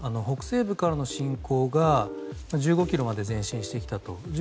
北西部からの侵攻が１５ｋｍまで前進してきたと。